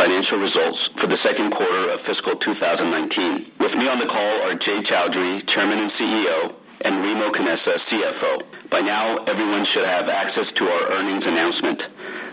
Financial results for the second quarter of fiscal 2019. With me on the call are Jay Chaudhry, Chairman and CEO, and Remo Canessa, CFO. By now, everyone should have access to our earnings announcement.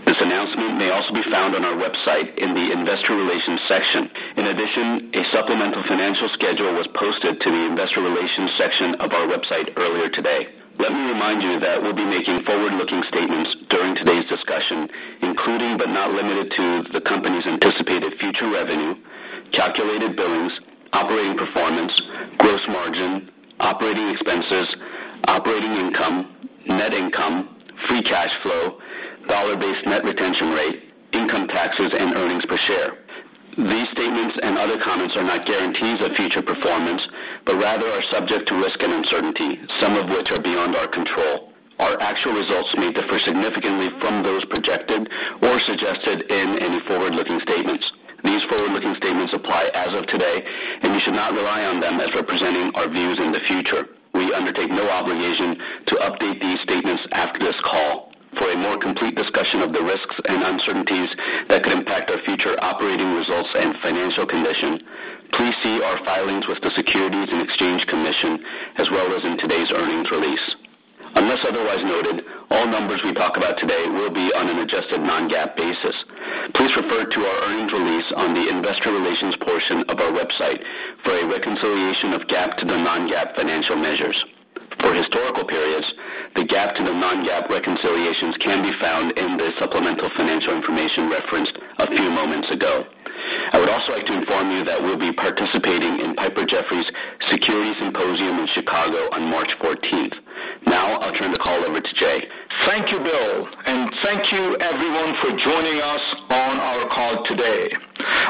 This announcement may also be found on our website in the investor relations section. In addition, a supplemental financial schedule was posted to the investor relations section of our website earlier today. Let me remind you that we'll be making forward-looking statements during today's discussion, including but not limited to, the company's anticipated future revenue, calculated billings, operating performance, gross margin, operating expenses, operating income, net income, free cash flow, dollar-based net retention rate, income taxes and earnings per share. These statements and other comments are not guarantees of future performance, but rather are subject to risk and uncertainty, some of which are beyond our control. Our actual results may differ significantly from those projected or suggested in any forward-looking statements. These forward-looking statements apply as of today. You should not rely on them as representing our views in the future. We undertake no obligation to update these statements after this call. For a more complete discussion of the risks and uncertainties that could impact our future operating results and financial condition, please see our filings with the Securities and Exchange Commission, as well as in today's earnings release. Unless otherwise noted, all numbers we talk about today will be on an adjusted non-GAAP basis. Please refer to our earnings release on the investor relations portion of our website for a reconciliation of GAAP to the non-GAAP financial measures. For historical periods, the GAAP to the non-GAAP reconciliations can be found in the supplemental financial information referenced a few moments ago. I would also like to inform you that we'll be participating in Piper Jaffray's Security Symposium in Chicago on March 14th. I'll turn the call over to Jay. Thank you, Bill, and thank you everyone for joining us on our call today.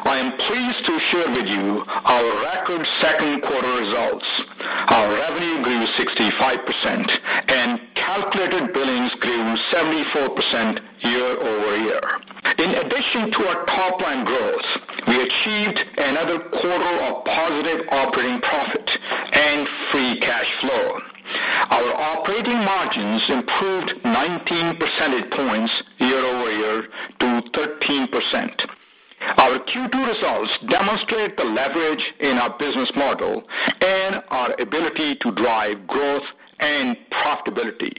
I am pleased to share with you our record second quarter results. Our revenue grew 65%, and calculated billings grew 74% year-over-year. In addition to our top-line growth, we achieved another quarter of positive operating profit and free cash flow. Our operating margins improved 19 percentage points year-over-year to 13%. Our Q2 results demonstrate the leverage in our business model and our ability to drive growth and profitability.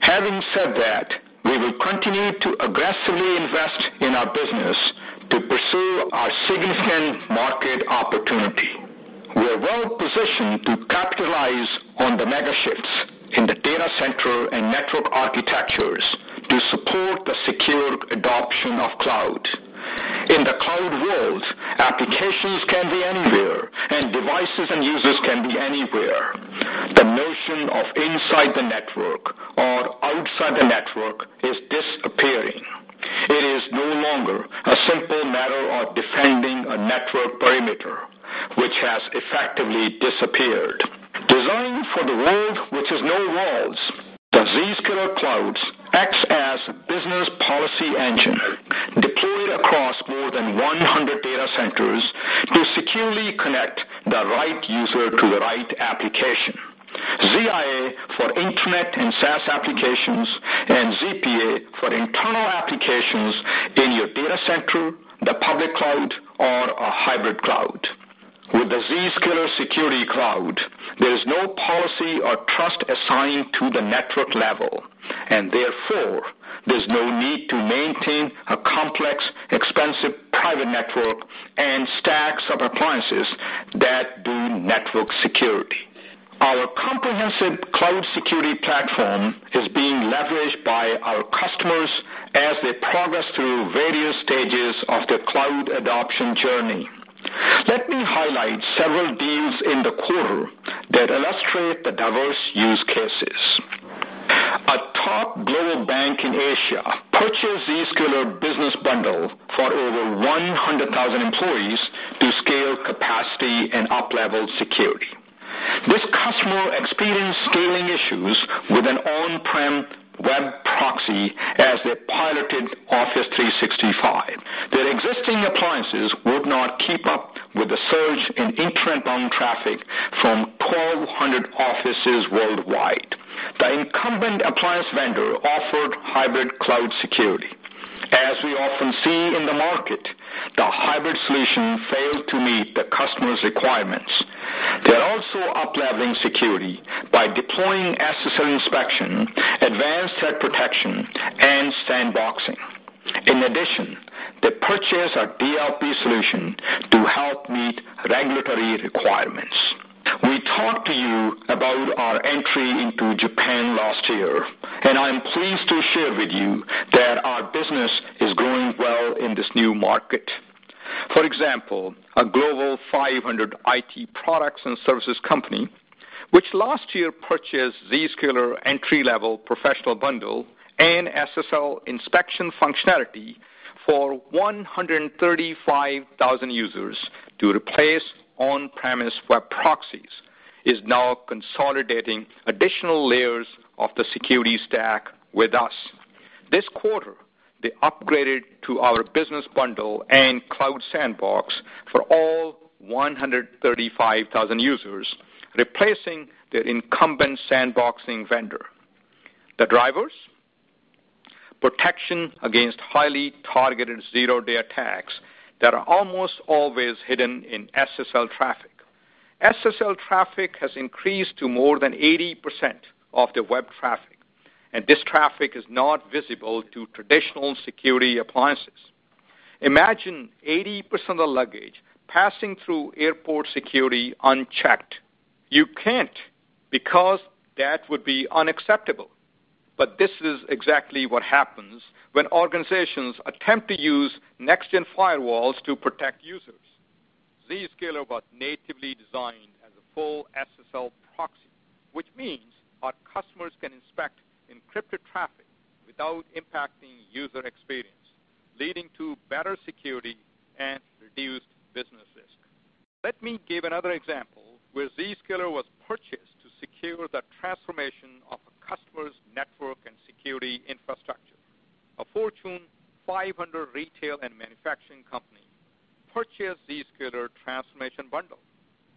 Having said that, we will continue to aggressively invest in our business to pursue our significant market opportunity. We are well positioned to capitalize on the mega shifts in the data center and network architectures to support the secure adoption of cloud. In the cloud world, applications can be anywhere, and devices and users can be anywhere. The notion of inside the network or outside the network is disappearing. It is no longer a simple matter of defending a network perimeter, which has effectively disappeared. Designed for the world which has no walls, the Zscaler cloud acts as business policy engine, deployed across more than 100 data centers to securely connect the right user to the right application. ZIA for internet and SaaS applications and ZPA for internal applications in your data center, the public cloud or a hybrid cloud. With the Zscaler security cloud, there is no policy or trust assigned to the network level, and therefore there's no need to maintain a complex, expensive private network and stacks of appliances that do network security. Our comprehensive cloud security platform is being leveraged by our customers as they progress through various stages of their cloud adoption journey. Let me highlight several deals in the quarter that illustrate the diverse use cases. A top global bank in Asia purchased Zscaler Business Bundle for over 100,000 employees to scale capacity and up-level security. This customer experienced scaling issues with an on-prem web proxy as they piloted Microsoft 365. Their existing appliances would not keep up with the surge in internet bound traffic from 1,200 offices worldwide. The incumbent appliance vendor offered hybrid cloud security. As we often see in the market, the hybrid solution failed to meet the customer's requirements. They're also up-leveling security by deploying SSL inspection, advanced threat protection and sandboxing. In addition, they purchased our DLP solution to help meet regulatory requirements. We talked to you about our entry into Japan last year, and I'm pleased to share with you that our business is growing well in this new market. For example, a global 500 IT products and services company, which last year purchased Zscaler entry-level Professional Bundle and SSL inspection functionality for 135,000 users to replace on-premise web proxies, is now consolidating additional layers of the security stack with us. This quarter, they upgraded to our business bundle and cloud sandbox for all 135,000 users, replacing their incumbent sandboxing vendor. The drivers? Protection against highly targeted zero-day attacks that are almost always hidden in SSL traffic. SSL traffic has increased to more than 80% of the web traffic, and this traffic is not visible to traditional security appliances. Imagine 80% of luggage passing through airport security unchecked. You can't, because that would be unacceptable. But this is exactly what happens when organizations attempt to use next-gen firewalls to protect users. Zscaler was natively designed as a full SSL proxy, which means our customers can inspect encrypted traffic without impacting user experience, leading to better security and reduced business risk. Let me give another example where Zscaler was purchased to secure the transformation of a customer's network and security infrastructure. A Fortune 500 retail and manufacturing company purchased Zscaler Transformation bundle,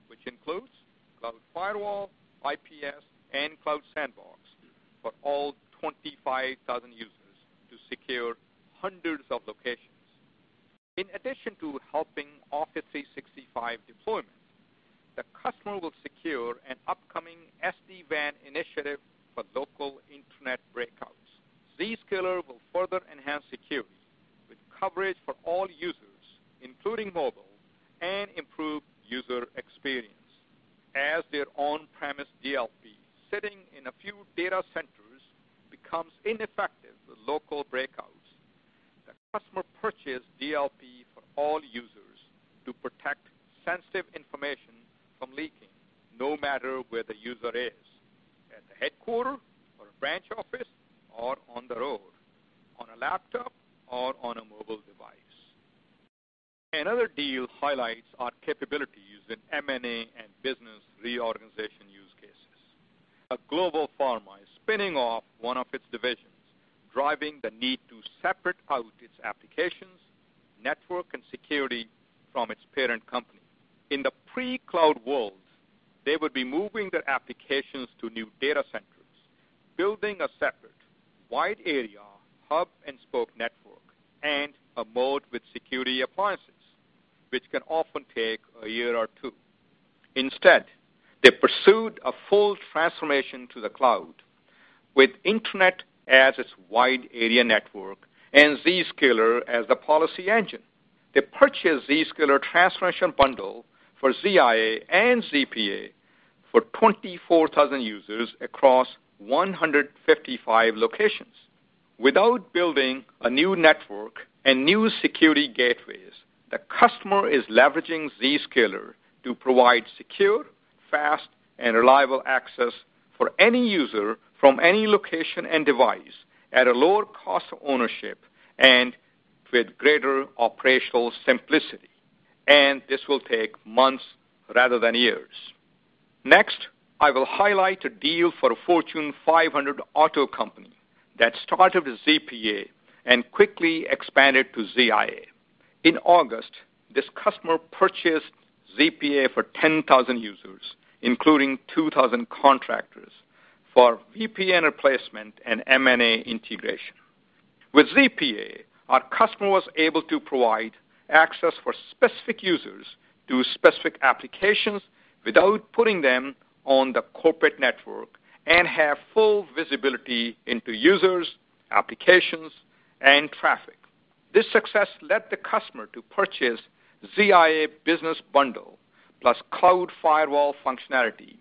which includes cloud firewall, IPS, and cloud sandbox for all 25,000 users to secure hundreds of locations. In addition to helping Microsoft 365 deployment, the customer will secure an upcoming SD-WAN initiative for local internet breakouts. Zscaler will further enhance security with coverage for all users, including mobile and improved user experience. As their on-premise DLP sitting in a few data centers becomes ineffective with local breakouts, the customer purchased DLP for all users to protect sensitive information from leaking, no matter where the user is, at the headquarter or a branch office or on the road, on a laptop or on a mobile device. Another deal highlights our capabilities in M&A and business reorganization use cases. A global pharma is spinning off one of its divisions, driving the need to separate out its applications, network, and security from its parent company. In the pre-cloud world, they would be moving their applications to new data centers, building a separate wide area hub-and-spoke network, a moat with security appliances, which can often take a year or two. Instead, they pursued a full transformation to the cloud, with internet as its wide area network and Zscaler as the policy engine. They purchased Zscaler transformation bundle for ZIA and ZPA for 24,000 users across 155 locations. Without building a new network and new security gateways, the customer is leveraging Zscaler to provide secure, fast, and reliable access for any user from any location and device at a lower cost of ownership and with greater operational simplicity. This will take months rather than years. Next, I will highlight a deal for a Fortune 500 auto company that started with ZPA and quickly expanded to ZIA. In August, this customer purchased ZPA for 10,000 users, including 2,000 contractors, for VPN replacement and M&A integration. With ZPA, our customer was able to provide access for specific users to specific applications without putting them on the corporate network and have full visibility into users, applications, and traffic. This success led the customer to purchase ZIA Business Bundle plus cloud firewall functionality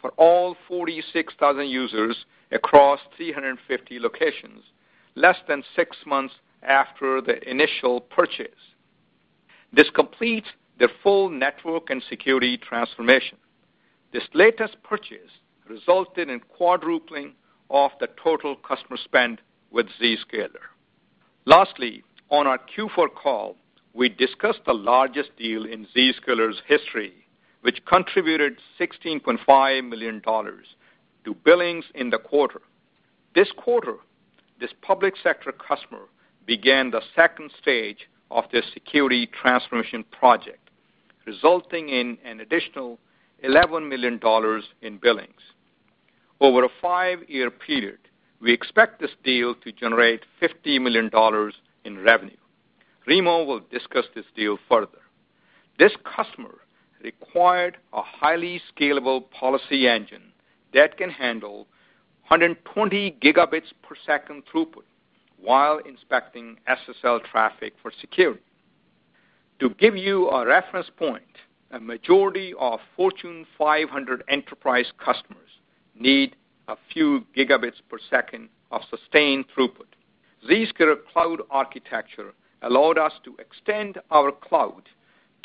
for all 46,000 users across 350 locations less than six months after the initial purchase. This completes the full network and security transformation. This latest purchase resulted in quadrupling of the total customer spend with Zscaler. Lastly, on our Q4 call, we discussed the largest deal in Zscaler's history, which contributed $16.5 million to billings in the quarter. This quarter, this public sector customer began the stage 2 of their security transformation project, resulting in an additional $11 million in billings. Over a five-year period, we expect this deal to generate $50 million in revenue. Remo will discuss this deal further. This customer required a highly scalable policy engine that can handle 120 gigabits per second throughput while inspecting SSL traffic for security. To give you a reference point, a majority of Fortune 500 enterprise customers need a few gigabits per second of sustained throughput. Zscaler cloud architecture allowed us to extend our cloud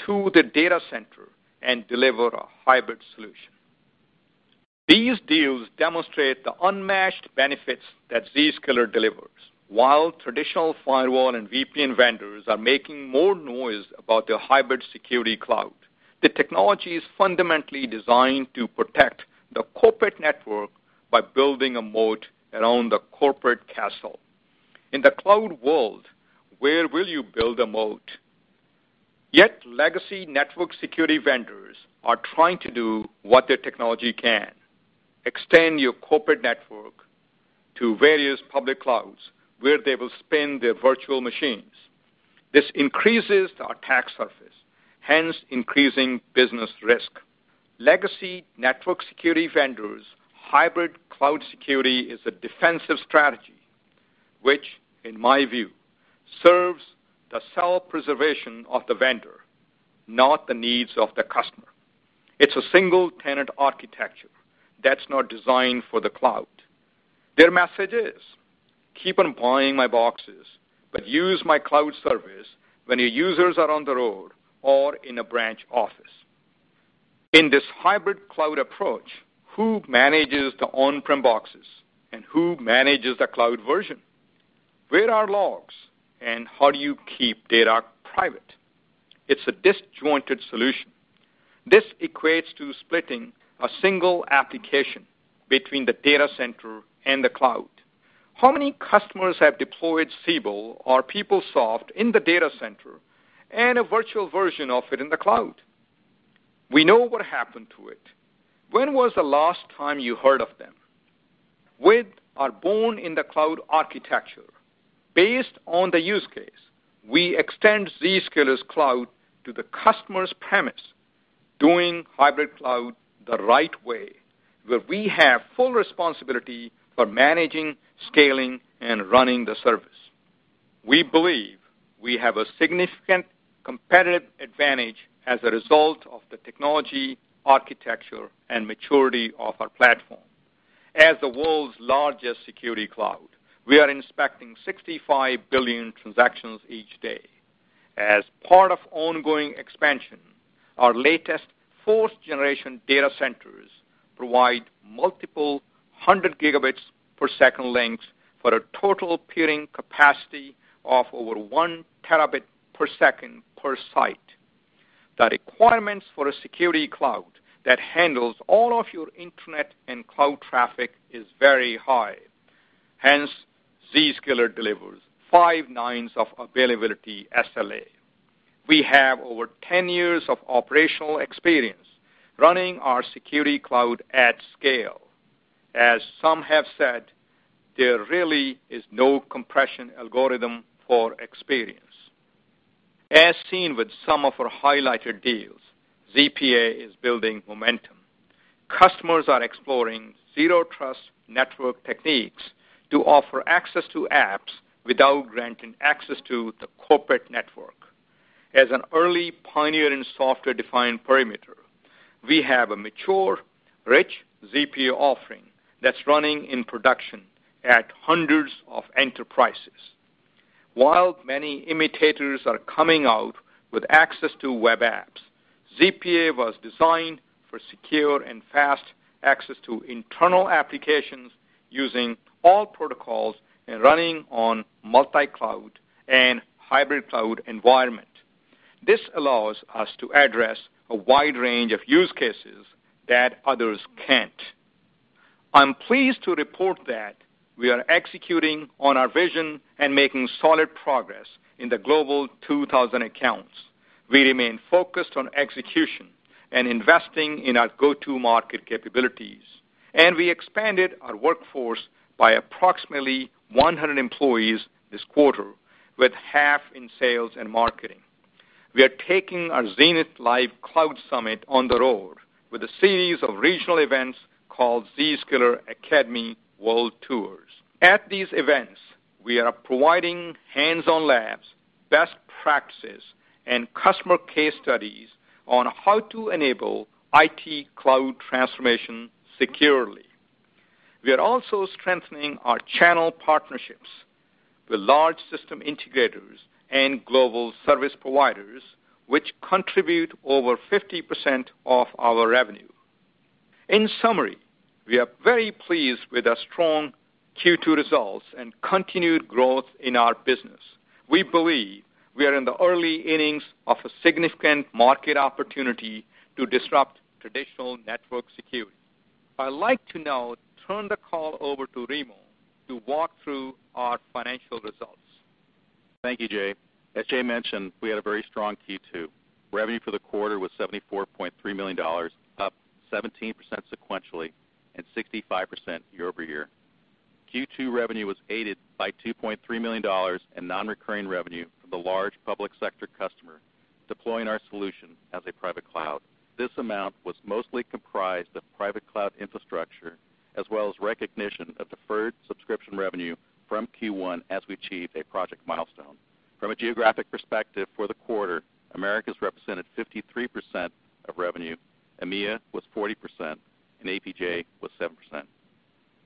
to the data center and deliver a hybrid solution. These deals demonstrate the unmatched benefits that Zscaler delivers. While traditional firewall and VPN vendors are making more noise about their hybrid security cloud, the technology is fundamentally designed to protect the corporate network by building a moat around the corporate castle. In the cloud world, where will you build a moat? Legacy network security vendors are trying to do what their technology can, extend your corporate network to various public clouds where they will spin their virtual machines. This increases the attack surface, hence increasing business risk. Legacy network security vendors' hybrid cloud security is a defensive strategy, which in my view, serves the self-preservation of the vendor, not the needs of the customer. It's a single-tenant architecture that's not designed for the cloud. Their message is, "Keep on buying my boxes, but use my cloud service when your users are on the road or in a branch office." In this hybrid cloud approach, who manages the on-prem boxes, and who manages the cloud version? Where are logs, and how do you keep data private? It's a disjointed solution. This equates to splitting a single application between the data center and the cloud. How many customers have deployed Siebel or PeopleSoft in the data center and a virtual version of it in the cloud? We know what happened to it. When was the last time you heard of them? With our born-in-the-cloud architecture, based on the use case, we extend Zscaler's cloud to the customer's premise, doing hybrid cloud the right way, where we have full responsibility for managing, scaling, and running the service. We believe we have a significant competitive advantage as a result of the technology, architecture, and maturity of our platform. As the world's largest security cloud, we are inspecting 65 billion transactions each day. As part of ongoing expansion, our latest fourth-generation data centers provide multiple 100 gigabits per second links for a total peering capacity of over 1 terabit per second per site. The requirements for a security cloud that handles all of your internet and cloud traffic is very high. Zscaler delivers five nines of availability SLA. We have over 10 years of operational experience running our security cloud at scale. As some have said, there really is no compression algorithm for experience. As seen with some of our highlighted deals, ZPA is building momentum. Customers are exploring zero trust network techniques to offer access to apps without granting access to the corporate network. As an early pioneer in software-defined perimeter, we have a mature, rich ZPA offering that's running in production at hundreds of enterprises. While many imitators are coming out with access to web apps, ZPA was designed for secure and fast access to internal applications using all protocols and running on multi-cloud and hybrid cloud environment. This allows us to address a wide range of use cases that others can't. I'm pleased to report that we are executing on our vision and making solid progress in the Global 2000 accounts. We remain focused on execution and investing in our go-to market capabilities, we expanded our workforce by approximately 100 employees this quarter, with half in sales and marketing. We are taking our Zenith Live Cloud Summit on the road with a series of regional events called Zscaler Academy World Tours. At these events, we are providing hands-on labs, best practices, and customer case studies on how to enable IT cloud transformation securely. We are also strengthening our channel partnerships with large system integrators and global service providers, which contribute over 50% of our revenue. We are very pleased with our strong Q2 results and continued growth in our business. We believe we are in the early innings of a significant market opportunity to disrupt traditional network security. I'd like to now turn the call over to Remo to walk through our financial results. Thank you, Jay. As Jay mentioned, we had a very strong Q2. Revenue for the quarter was $74.3 million, up 17% sequentially and 65% year-over-year. Q2 revenue was aided by $2.3 million in non-recurring revenue from the large public sector customer deploying our solution as a private cloud. This amount was mostly comprised of private cloud infrastructure, as well as recognition of deferred subscription revenue from Q1 as we achieved a project milestone. From a geographic perspective for the quarter, Americas represented 53% of revenue, EMEA was 40%, and APJ was 7%.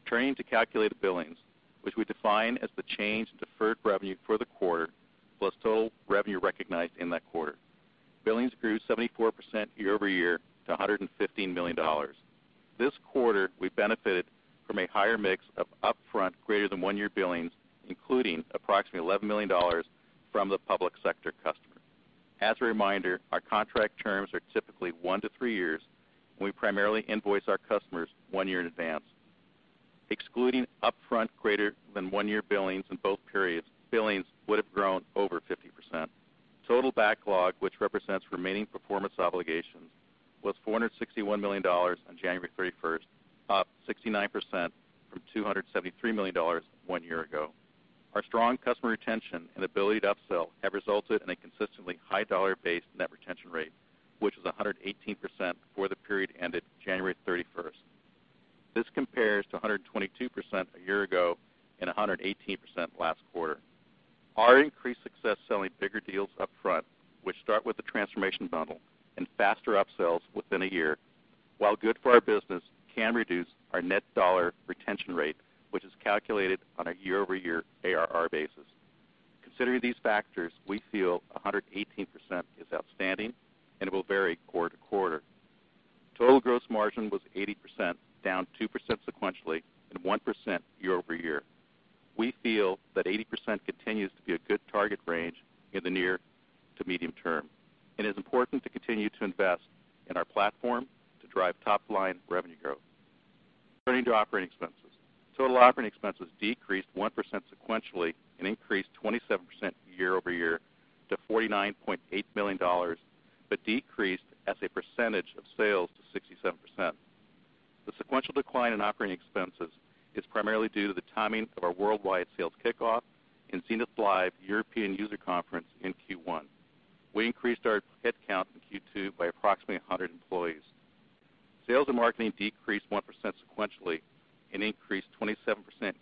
Turning to calculated billings, which we define as the change in deferred revenue for the quarter, plus total revenue recognized in that quarter. Billings grew 74% year-over-year to $115 million. This quarter, we benefited from a higher mix of upfront greater than one-year billings, including approximately $11 million from the public sector customer. As a reminder, our contract terms are typically 1 to 3 years, and we primarily invoice our customers one year in advance. Excluding upfront greater than one-year billings in both periods, billings would have grown over 50%. Total backlog, which represents remaining performance obligations, was $461 million on January 31st, up 69% from $273 million one year ago. Our strong customer retention and ability to upsell have resulted in a consistently high dollar-based net retention rate, which was 118% for the period ended January 31st. This compares to 122% a year ago and 118% last quarter. Our increased success selling bigger deals upfront, which start with the transformation bundle and faster upsells within a year, while good for our business, can reduce our net dollar retention rate, which is calculated on a year-over-year ARR basis. Considering these factors, we feel 118% is outstanding and it will vary quarter-to-quarter. Total gross margin was 80%, down 2% sequentially and 1% year-over-year. We feel that 80% continues to be a good target range in the near to medium term. It is important to continue to invest in our platform to drive top-line revenue growth. Turning to operating expenses. Total operating expenses decreased 1% sequentially and increased 27% year-over-year to $49.8 million, but decreased as a percentage of sales to 67%. The sequential decline in operating expenses is primarily due to the timing of our worldwide sales kickoff and Zenith Live European User Conference in Q1. We increased our headcount in Q2 by approximately 100 employees. Sales and marketing decreased 1% sequentially and increased 27%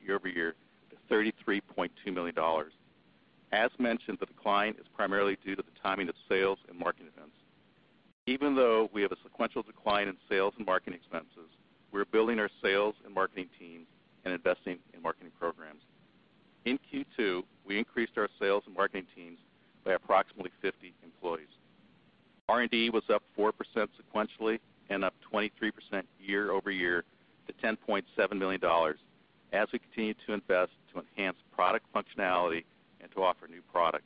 year-over-year to $33.2 million. As mentioned, the decline is primarily due to the timing of sales and marketing events. Even though we have a sequential decline in sales and marketing expenses, we're building our sales and marketing teams and investing in marketing programs. In Q2, we increased our sales and marketing teams by approximately 50 employees. R&D was up 4% sequentially and up 23% year-over-year to $10.7 million as we continue to invest to enhance product functionality and to offer new products.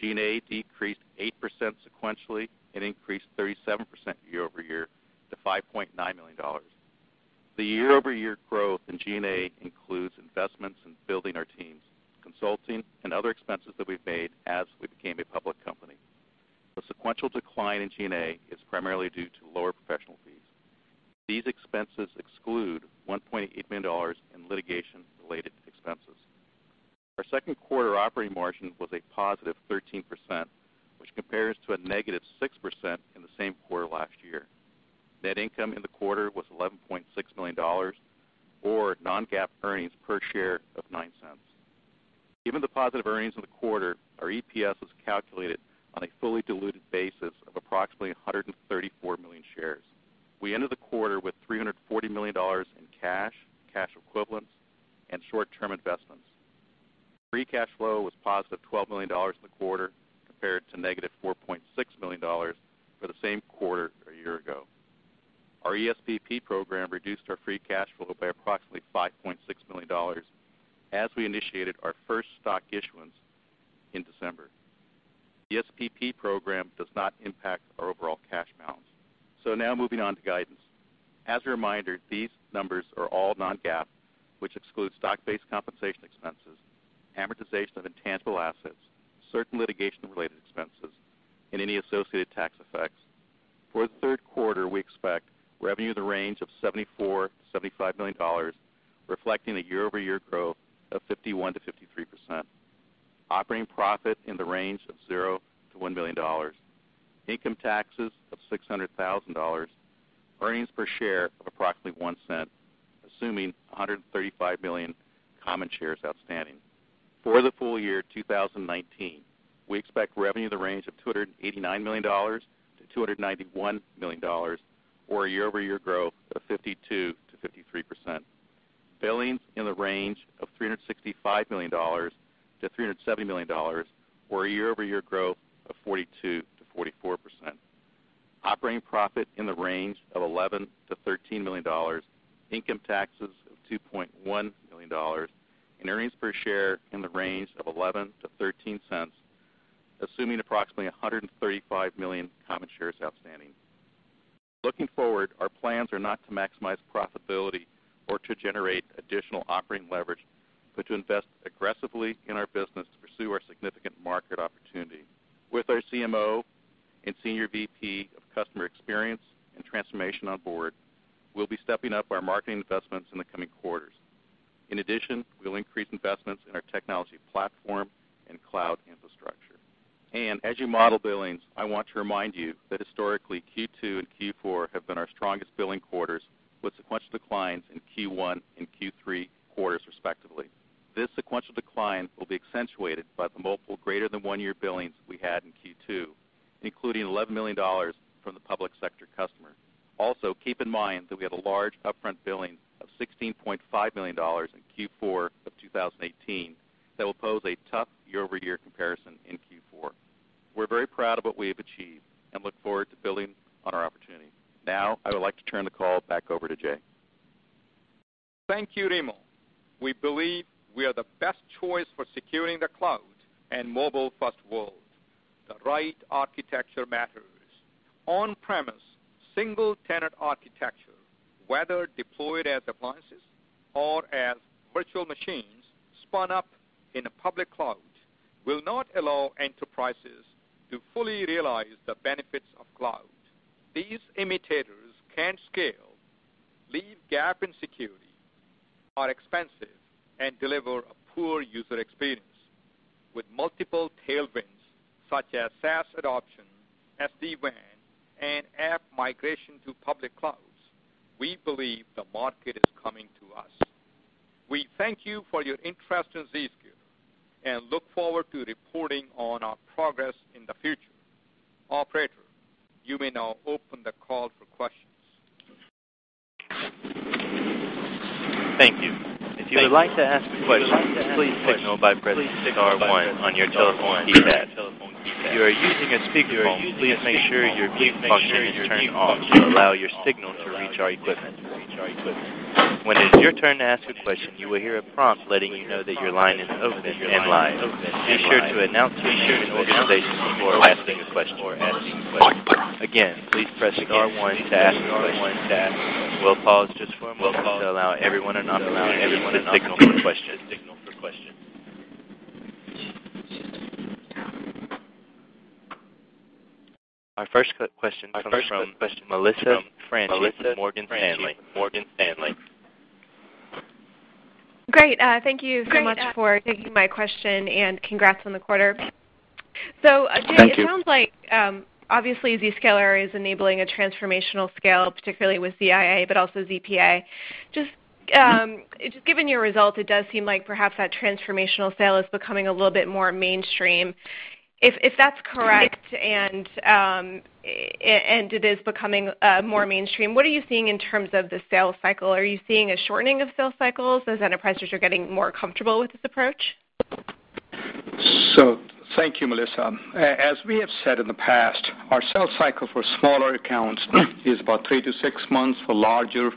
G&A decreased 8% sequentially and increased 37% year-over-year to $5.9 million. The year-over-year growth in G&A includes investments in building our teams, consulting, and other expenses that we've made as we became a public company. The sequential decline in G&A is primarily due to lower professional fees. These expenses exclude $1.8 million in litigation-related expenses. Our second quarter operating margin was a positive 13%, which compares to a negative 6% in the same quarter last year. Net income in the quarter was $11.6 million, or non-GAAP earnings per share of $0.09. Given the positive earnings in the quarter, our EPS was calculated on a fully diluted basis of approximately 134 million shares. We ended the quarter with $340 million in cash equivalents, and short-term investments. Free cash flow was positive $12 million in the quarter, compared to negative $4.6 million for the same quarter a year ago. Our ESPP program reduced our free cash flow by approximately $5.6 million as we initiated our first stock issuance in December. The ESPP program does not impact our overall cash balance. Now moving on to guidance. As a reminder, these numbers are all non-GAAP, which excludes stock-based compensation expenses, amortization of intangible assets, certain litigation-related expenses, and any associated tax effects. For the third quarter, we expect revenue in the range of $74 million-$75 million, reflecting a year-over-year growth of 51%-53%. Operating profit in the range of zero to $1 million. Income taxes of $600,000. Earnings per share of approximately $0.01, assuming 135 million common shares outstanding. For the full year 2019, we expect revenue in the range of $289 million-$291 million, or a year-over-year growth of 52%-53%. Billings in the range of $365 million-$370 million, or a year-over-year growth of 42%-44%. Operating profit in the range of $11 million-$13 million. Income taxes of $2.1 million. Earnings per share in the range of $0.11-$0.13, assuming approximately 135 million common shares outstanding. Looking forward, our plans are not to maximize profitability or to generate additional operating leverage, but to invest aggressively in our business to pursue our significant market opportunity. With our CMO and Senior VP of Customer Experience and Transformation on board, we'll be stepping up our marketing investments in the coming quarters. In addition, we'll increase investments in our technology platform and cloud infrastructure. As you model billings, I want to remind you that historically, Q2 and Q4 have been our strongest billing quarters, with sequential declines in Q1 and Q3 quarters, respectively. This sequential decline will be accentuated by the multiple greater than one-year billings we had in Q2, including $11 million from the public sector customer. Also, keep in mind that we have a large upfront billing of $16.5 million in Q4 of 2018 that will pose a tough year-over-year comparison in Q4. We're very proud of what we have achieved and look forward to building on our opportunity. I would like to turn the call back over to Jay. Thank you, Remo. We believe we are the best choice for securing the cloud and mobile-first world. The right architecture matters. On-premise, single-tenant architecture, whether deployed as appliances or as virtual machines spun up in a public cloud, will not allow enterprises to fully realize the benefits of cloud. These imitators can't scale, leave gap in security, are expensive, and deliver a poor user experience. With multiple tailwinds such as SaaS adoption, SD-WAN, and app migration to public clouds, we believe the market is coming to us. We thank you for your interest in Zscaler and look forward to reporting on our progress in the future. Operator, you may now open the call for questions. Thank you. If you would like to ask a question, please signal by pressing star one on your telephone keypad. If you are using a speakerphone, please make sure your mute function is turned off to allow your signal to reach our equipment. When it is your turn to ask a question, you will hear a prompt letting you know that your line is open and live. Be sure to announce your name and organization before asking a question. Again, please press star one to ask a question. We'll pause just for a moment to allow everyone an opportunity to signal for questions. Our first question comes from Keith Weiss with Morgan Stanley. Great. Thank you so much for taking my question. Congrats on the quarter. Thank you. Jay, it sounds like, obviously Zscaler is enabling a transformational scale, particularly with ZIA, but also ZPA. Just given your results, it does seem like perhaps that transformational sale is becoming a little bit more mainstream. If that's correct, and it is becoming more mainstream, what are you seeing in terms of the sales cycle? Are you seeing a shortening of sales cycles as enterprises are getting more comfortable with this approach? Thank you, Melissa. As we have said in the past, our sales cycle for smaller accounts is about three to six months. For larger,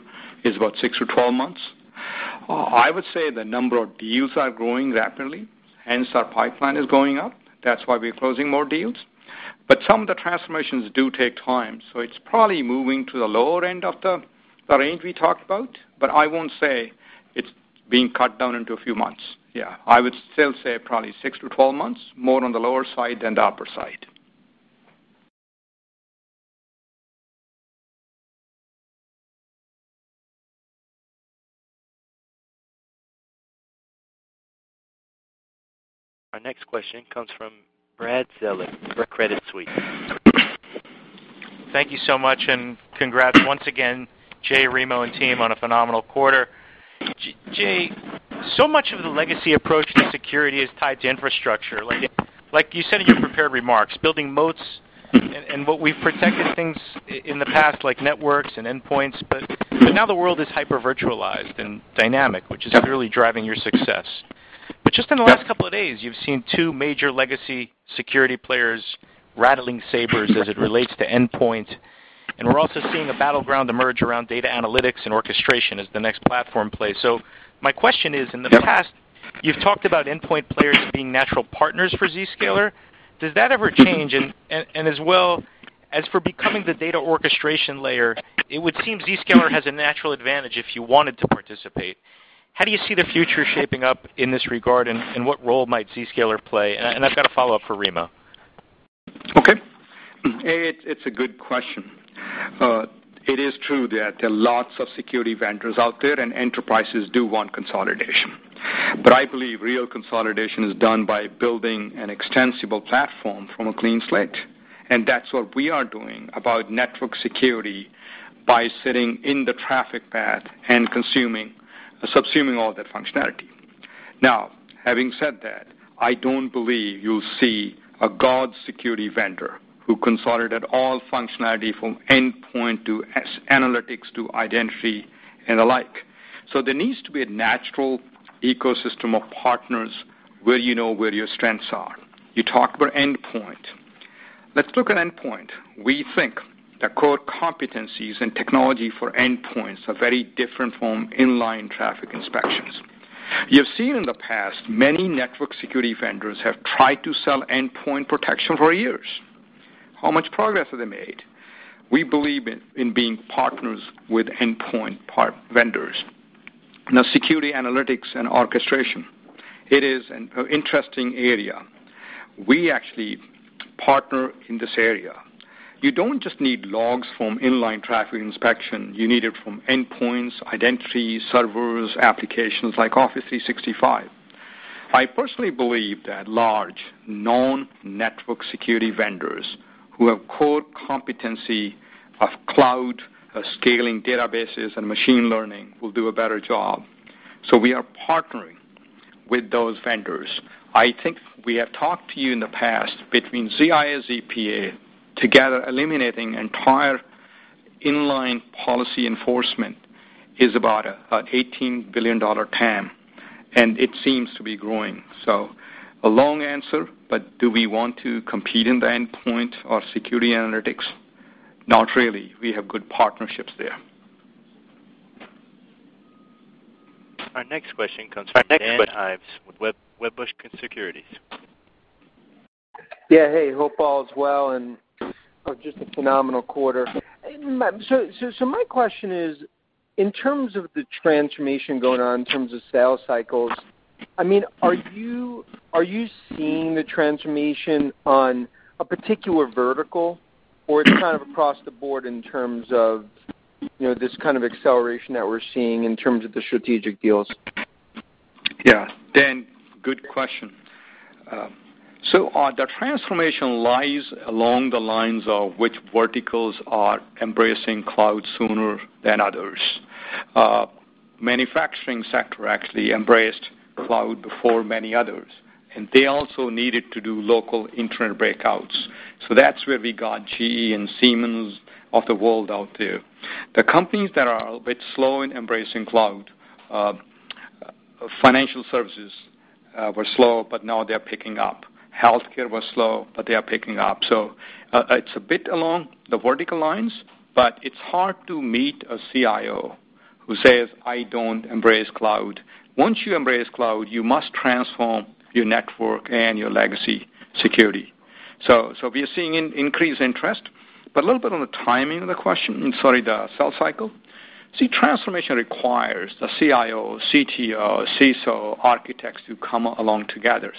is about six or 12 months. I would say the number of deals are growing rapidly, hence our pipeline is going up. That's why we are closing more deals. Some of the transformations do take time, so it's probably moving to the lower end of the range we talked about. I won't say it's being cut down into a few months. I would still say probably six to 12 months, more on the lower side than the upper side. Our next question comes from Brad Zelnick with Credit Suisse. Thank you so much, and congrats once again, Jay, Remo, and team on a phenomenal quarter. Jay, so much of the legacy approach to security is tied to infrastructure. Like you said in your prepared remarks, building moats and what we've protected things in the past, like networks and endpoints, but now the world is hyper virtualized and dynamic, which is really driving your success. Just in the last couple of days, you've seen two major legacy security players rattling sabers as it relates to endpoint, and we're also seeing a battleground emerge around data analytics and orchestration as the next platform plays. My question is, in the past, you've talked about endpoint players being natural partners for Zscaler. Does that ever change? As well as for becoming the data orchestration layer, it would seem Zscaler has a natural advantage if you wanted to participate. How do you see the future shaping up in this regard, and what role might Zscaler play? I've got a follow-up for Remo. Okay. It's a good question. It is true that there are lots of security vendors out there and enterprises do want consolidation, but I believe real consolidation is done by building an extensible platform from a clean slate, and that's what we are doing about network security by sitting in the traffic path and subsuming all that functionality. Now, having said that, I don't believe you'll see a god security vendor who consolidated all functionality from endpoint to analytics to identity and the like. There needs to be a natural ecosystem of partners where you know where your strengths are. You talked about endpoint. Let's look at endpoint. We think the core competencies and technology for endpoints are very different from inline traffic inspections. You've seen in the past, many network security vendors have tried to sell endpoint protection for years. How much progress have they made? We believe in being partners with endpoint vendors. Now, security analytics and orchestration. It is an interesting area. We actually partner in this area. You don't just need logs from inline traffic inspection. You need it from endpoints, identity servers, applications like Office 365. I personally believe that large non-network security vendors who have core competency of cloud scaling databases and machine learning will do a better job. We are partnering with those vendors. I think we have talked to you in the past between ZIA, ZPA, together eliminating entire inline policy enforcement is about an $18 billion TAM, and it seems to be growing. A long answer, but do we want to compete in the endpoint or security analytics? Not really. We have good partnerships there. Our next question comes from Dan Ives with Wedbush Securities. Yeah. Hey, hope all is well, just a phenomenal quarter. My question is, in terms of the transformation going on in terms of sales cycles, are you seeing the transformation on a particular vertical, or it's kind of across the board in terms of this kind of acceleration that we're seeing in terms of the strategic deals? Yeah. Dan, good question. The transformation lies along the lines of which verticals are embracing cloud sooner than others. Manufacturing sector actually embraced cloud before many others, they also needed to do local internet breakouts. That's where we got GE and Siemens of the world out there. The companies that are a little bit slow in embracing cloud, financial services were slow, now they're picking up. Healthcare was slow, they are picking up. It's a bit along the vertical lines, it's hard to meet a CIO who says, "I don't embrace cloud." Once you embrace cloud, you must transform your network and your legacy security. We are seeing increased interest, but a little bit on the timing of the question, sorry, the sales cycle. See, transformation requires the CIOs, CTOs, CISO, architects, to come along together.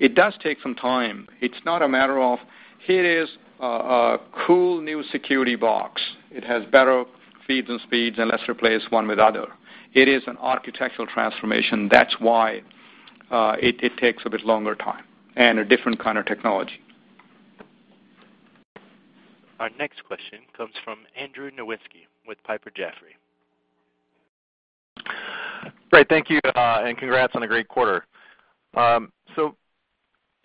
It does take some time. It's not a matter of, here is a cool new security box. It has better feeds and speeds and let's replace one with the other. It is an architectural transformation. That's why it takes a bit longer time and a different kind of technology. Our next question comes from Andrew Nowinski with Piper Jaffray. Great. Thank you, and congrats on a great quarter.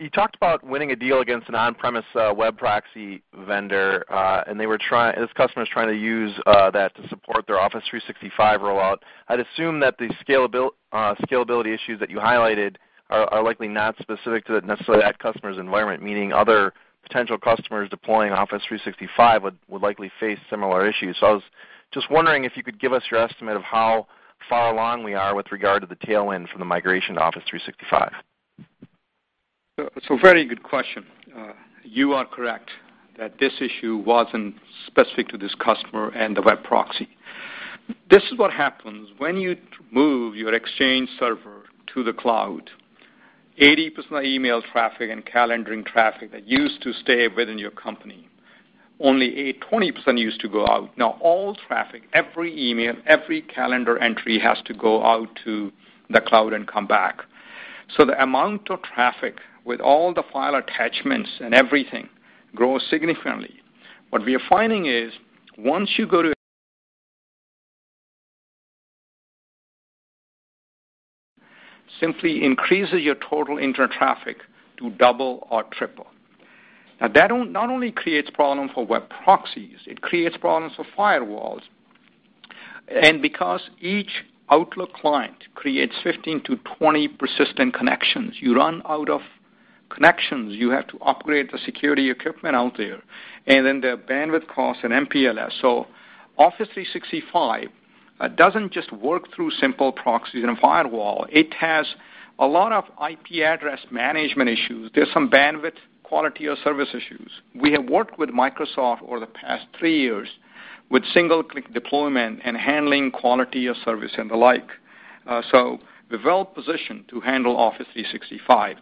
You talked about winning a deal against an on-premise web proxy vendor, and this customer's trying to use that to support their Microsoft 365 rollout. I'd assume that the scalability issues that you highlighted are likely not specific to necessarily that customer's environment, meaning other potential customers deploying Microsoft 365 would likely face similar issues. I was just wondering if you could give us your estimate of how far along we are with regard to the tail end from the migration to Microsoft 365. Very good question. You are correct that this issue wasn't specific to this customer and the web proxy. This is what happens when you move your Exchange server to the cloud. 80% of email traffic and calendaring traffic that used to stay within your company, only 20% used to go out. All traffic, every email, every calendar entry, has to go out to the cloud and come back. The amount of traffic with all the file attachments and everything grows significantly. What we are finding is once you go to simply increases your total internet traffic to double or triple. That not only creates problems for web proxies, it creates problems for firewalls. Because each Outlook client creates 15 to 20 persistent connections, you run out of connections. You have to upgrade the security equipment out there, and then the bandwidth costs and MPLS. Office 365 doesn't just work through simple proxies and a firewall. It has a lot of IP address management issues. There's some bandwidth quality of service issues. We have worked with Microsoft over the past three years with single-click deployment and handling quality of service and the like. Well-positioned to handle Office 365.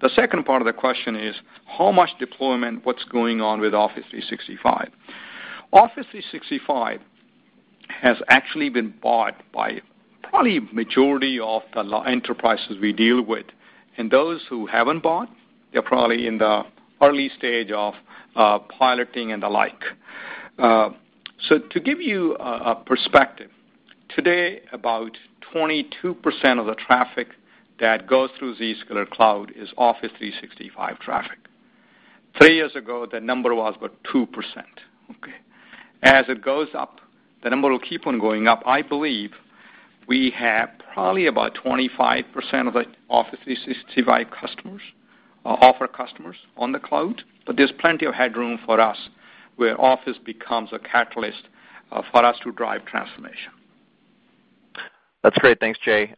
The second part of the question is how much deployment, what's going on with Office 365? Office 365 has actually been bought by probably a majority of the enterprises we deal with, and those who haven't bought, they're probably in the early stage of piloting and the like. To give you a perspective, today, about 22% of the traffic that goes through Zscaler cloud is Office 365 traffic. Three years ago, that number was about 2%. Okay. As it goes up, the number will keep on going up. I believe we have probably about 25% of the Office 365 customers or Office customers on the cloud. There's plenty of headroom for us where Office becomes a catalyst for us to drive transformation. That's great. Thanks, Jay.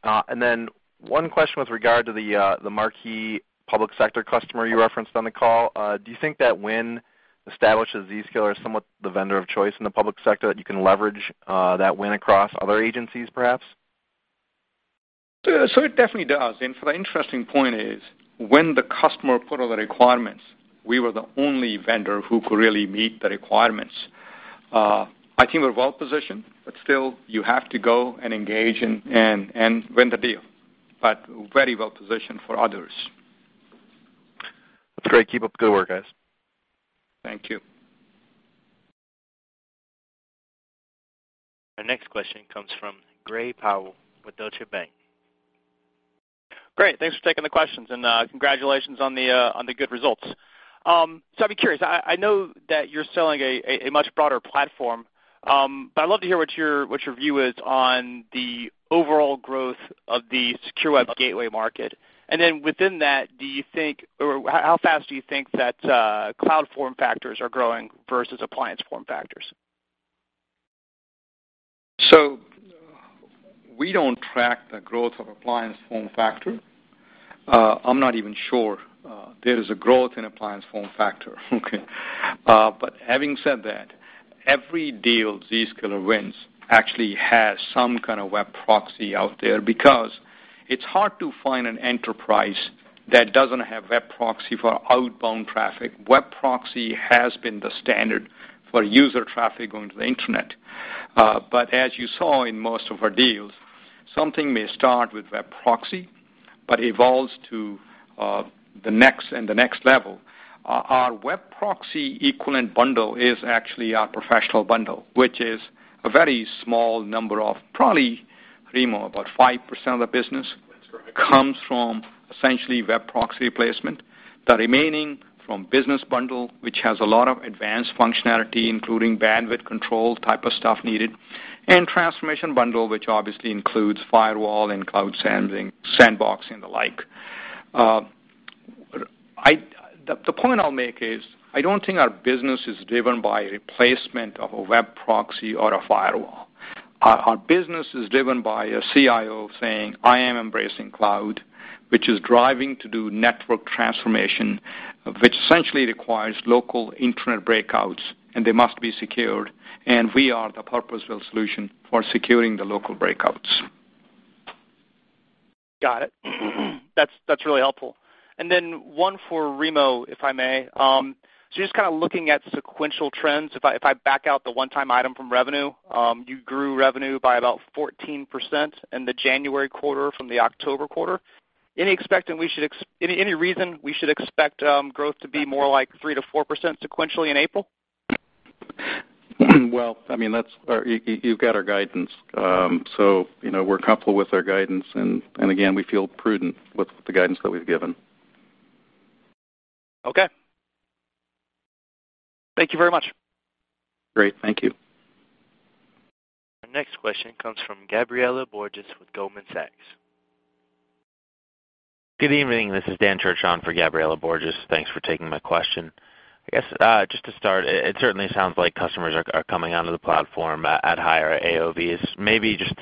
One question with regard to the marquee public sector customer you referenced on the call. Do you think that win establishes Zscaler as somewhat the vendor of choice in the public sector, that you can leverage that win across other agencies, perhaps? It definitely does. The interesting point is, when the customer put all the requirements, we were the only vendor who could really meet the requirements. I think we're well-positioned, still, you have to go and engage and win the deal, very well-positioned for others. That's great. Keep up the good work, guys. Thank you. Our next question comes from Gray Powell with Deutsche Bank. Great. Thanks for taking the questions, and congratulations on the good results. I'd be curious, I know that you're selling a much broader platform, but I'd love to hear what your view is on the overall growth of the secure web gateway market. Within that, how fast do you think that cloud form factors are growing versus appliance form factors? We don't track the growth of appliance form factor. I'm not even sure there is a growth in appliance form factor. Having said that, every deal Zscaler wins actually has some kind of web proxy out there because it's hard to find an enterprise that doesn't have web proxy for outbound traffic. Web proxy has been the standard for user traffic going to the internet. As you saw in most of our deals, something may start with web proxy, but evolves to the next and the next level. Our web proxy equivalent bundle is actually our Professional Bundle, which is a very small number of probably, Remo, about 5% of the business. That's right comes from essentially web proxy placement, the remaining from business bundle, which has a lot of advanced functionality, including bandwidth control type of stuff needed, and transformation bundle, which obviously includes firewall and cloud sandboxing and the like. The point I'll make is, I don't think our business is driven by replacement of a web proxy or a firewall. Our business is driven by a CIO saying, "I am embracing cloud," which is driving to do network transformation, which essentially requires local internet breakouts, and they must be secured, and we are the purposeful solution for securing the local breakouts. Got it. That's really helpful. Then one for Remo, if I may. Just kind of looking at sequential trends, if I back out the one-time item from revenue, you grew revenue by about 14% in the January quarter from the October quarter. Any reason we should expect growth to be more like 3%-4% sequentially in April? You've got our guidance. We're comfortable with our guidance, and again, we feel prudent with the guidance that we've given. Okay. Thank you very much. Great. Thank you. Our next question comes from Gabriela Borges with Goldman Sachs. Good evening. This is Daniel Church on for Gabriela Borges. Thanks for taking my question. I guess, just to start, it certainly sounds like customers are coming onto the platform at higher AOV. Maybe just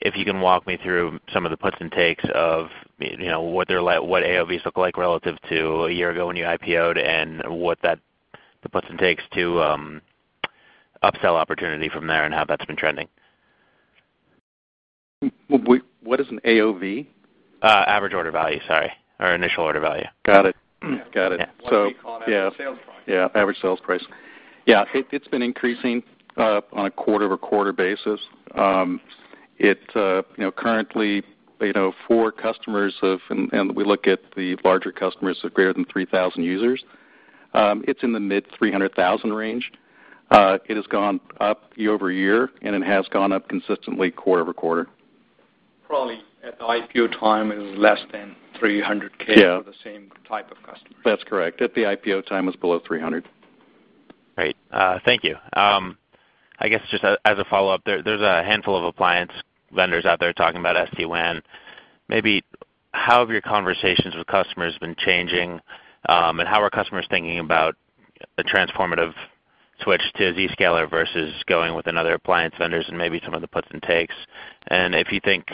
if you can walk me through some of the puts and takes of what AOV look like relative to a year ago when you IPO'd and the puts and takes to upsell opportunity from there and how that's been trending. What is an AOV? Average order value, sorry, or initial order value. Got it. Yeah. What we call average sales price. Yeah, average sales price. Yeah, it's been increasing on a quarter-over-quarter basis. It currently, for customers of, we look at the larger customers of greater than 3,000 users, it's in the mid-$300,000 range. It has gone up year-over-year, and it has gone up consistently quarter-over-quarter. Probably at the IPO time, it was less than $300K. Yeah For the same type of customer. That's correct. At the IPO time was below $300,000. Great. Thank you. I guess, just as a follow-up, there's a handful of appliance vendors out there talking about SD-WAN. Maybe how have your conversations with customers been changing, and how are customers thinking about a transformative switch to Zscaler versus going with another appliance vendors and maybe some of the puts and takes? If you think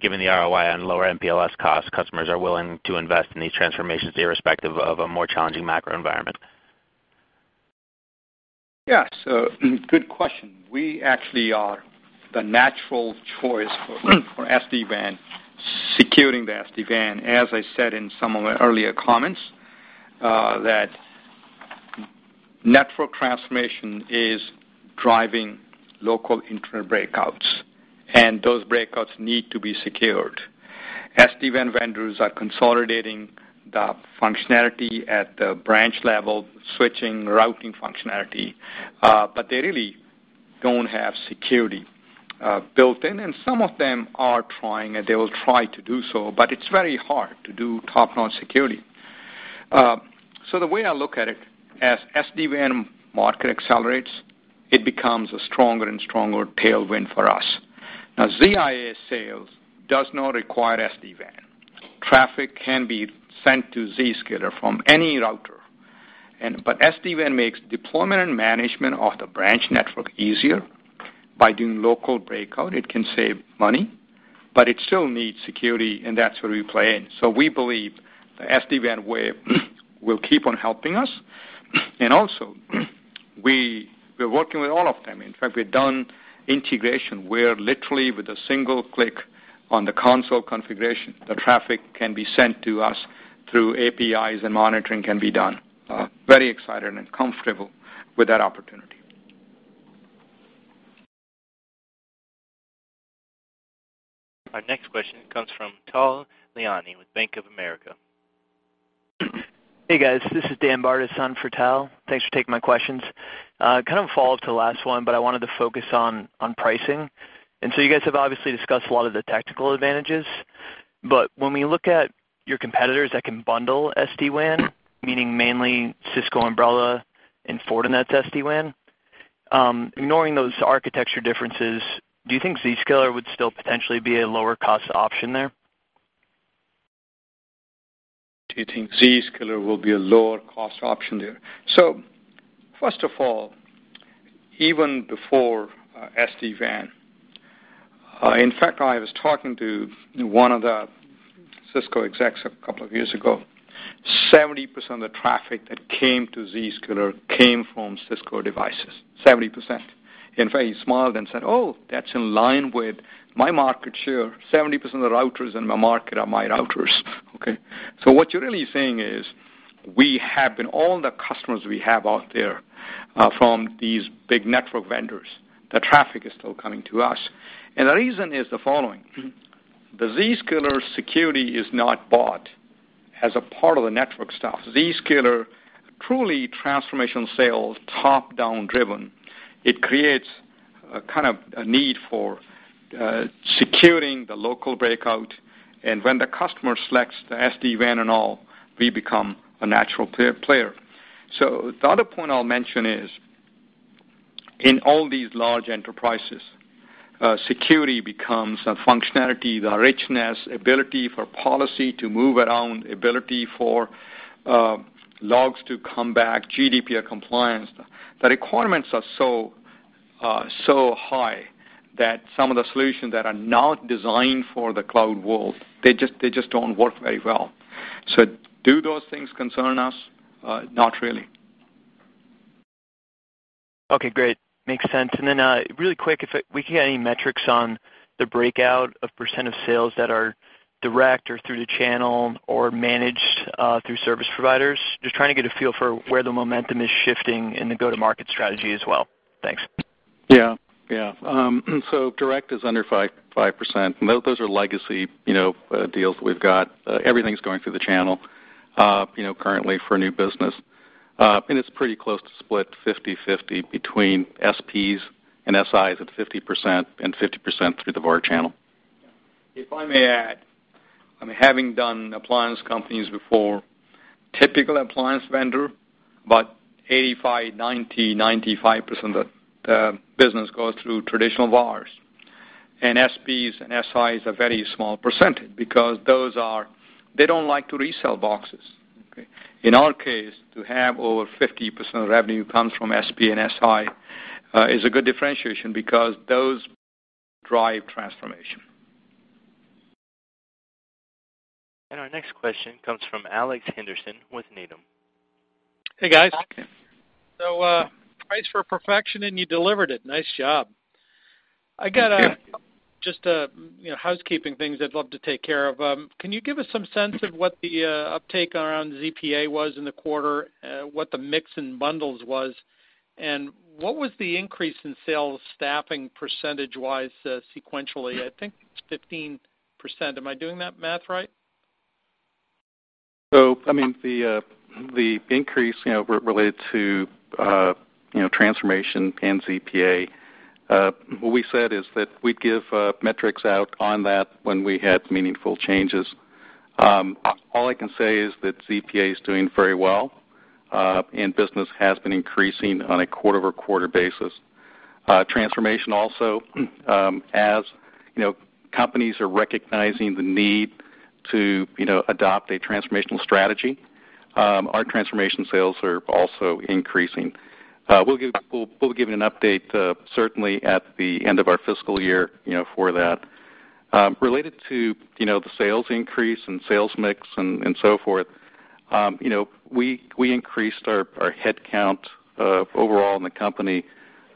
given the ROI on lower MPLS costs, customers are willing to invest in these transformations irrespective of a more challenging macro environment. Yeah. Good question. We actually are the natural choice for SD-WAN, securing the SD-WAN. As I said in some of my earlier comments, that network transformation is driving local internet breakouts, and those breakouts need to be secured. SD-WAN vendors are consolidating the functionality at the branch level, switching, routing functionality, but they really don't have security built in, and some of them are trying, and they will try to do so, but it's very hard to do top-notch security. The way I look at it, as SD-WAN market accelerates, it becomes a stronger and stronger tailwind for us. Now, ZIA sales does not require SD-WAN. Traffic can be sent to Zscaler from any router. SD-WAN makes deployment and management of the branch network easier. By doing local breakout, it can save money, but it still needs security, and that's where we play in. We believe the SD-WAN wave will keep on helping us. Also, we're working with all of them. In fact, we've done integration where literally with a single click on the console configuration, the traffic can be sent to us through APIs and monitoring can be done. Very excited and comfortable with that opportunity. Our next question comes from Tal Liani with Bank of America. Hey, guys. This is Daniel Bartus on for Tal. Thanks for taking my questions. Kind of a follow-up to the last one, but I wanted to focus on pricing. You guys have obviously discussed a lot of the tactical advantages. When we look at your competitors that can bundle SD-WAN, meaning mainly Cisco Umbrella and Fortinet's SD-WAN, ignoring those architecture differences, do you think Zscaler would still potentially be a lower cost option there? Do you think Zscaler will be a lower cost option there? First of all, even before SD-WAN, in fact, I was talking to one of the Cisco execs a couple of years ago, 70% of the traffic that came to Zscaler came from Cisco devices, 70%. In fact, he smiled and said, "Oh, that's in line with my market share. 70% of the routers in my market are my routers." Okay. What you're really saying is we have been all the customers we have out there from these big network vendors. The traffic is still coming to us. The reason is the following: the Zscaler security is not bought as a part of the network stuff. Zscaler truly transformation sales top-down driven. It creates a need for securing the local breakout, and when the customer selects the SD-WAN and all, we become a natural player. The other point I'll mention is, in all these large enterprises, security becomes a functionality, the richness, ability for policy to move around, ability for logs to come back, GDPR compliance. The requirements are so high that some of the solutions that are not designed for the cloud world, they just don't work very well. Do those things concern us? Not really. Okay, great. Makes sense. Really quick, if we could get any metrics on the breakout of % of sales that are direct or through the channel or managed through service providers. Just trying to get a feel for where the momentum is shifting in the go-to-market strategy as well. Thanks. Yeah. Direct is under 5%. Those are legacy deals that we've got. Everything's going through the channel currently for new business. It's pretty close to split 50/50 between SPs and SIs at 50% and 50% through the VAR channel. If I may add, I mean, having done appliance companies before, typical appliance vendor, about 85%, 90%, 95% of the business goes through traditional VARs, and SPs and SIs are very small percentage because they don't like to resell boxes. Okay. In our case, to have over 50% of revenue comes from SP and SI is a good differentiation because those drive transformation. Our next question comes from Alex Henderson with Needham. Hey, guys. Price for perfection, you delivered it. Nice job. Thank you. I got just housekeeping things I'd love to take care of. Can you give us some sense of what the uptake around ZPA was in the quarter? What the mix and bundles was, and what was the increase in sales staffing percentage-wise sequentially? I think 15%. Am I doing that math right? The increase related to transformation and ZPA, what we said is that we'd give metrics out on that when we had meaningful changes. All I can say is that ZPA is doing very well, and business has been increasing on a quarter-over-quarter basis. Transformation also, as companies are recognizing the need to adopt a transformational strategy, our transformation sales are also increasing. We'll be giving an update certainly at the end of our fiscal year for that. Related to the sales increase and sales mix and so forth, we increased our headcount overall in the company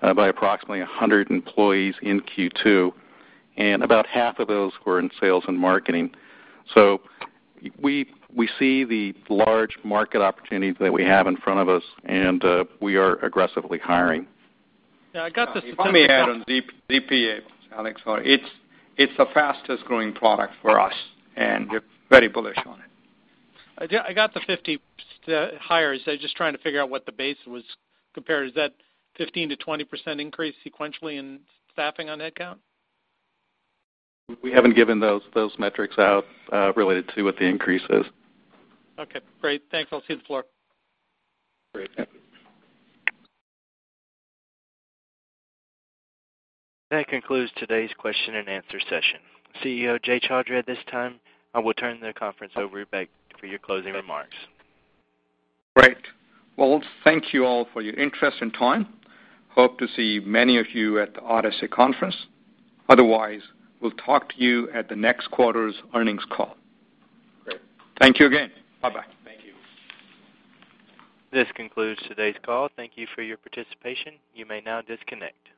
by approximately 100 employees in Q2, and about half of those were in sales and marketing. We see the large market opportunities that we have in front of us, and we are aggressively hiring. If I may add on ZPA, Alex. It's the fastest-growing product for us, and we're very bullish on it. I got the 50 hires. I was just trying to figure out what the base was compared. Is that 15%-20% increase sequentially in staffing on headcount? We haven't given those metrics out related to what the increase is. Okay, great. Thanks. I'll cede the floor. Great. That concludes today's question and answer session. CEO, Jay Chaudhry, at this time, I will turn the conference over back to you for your closing remarks. Great. Well, thank you all for your interest and time. Hope to see many of you at the Odyssey conference. We'll talk to you at the next quarter's earnings call. Great. Thank you again. Bye-bye. Thank you. This concludes today's call. Thank you for your participation. You may now disconnect.